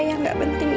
yang gak penting itu